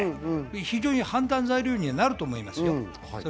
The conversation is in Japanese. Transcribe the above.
非常に判断材料にはなると思いますよ。